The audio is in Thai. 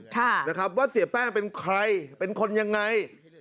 ค่ะนะครับว่าเสียแป้งเป็นใครเป็นคนยังไง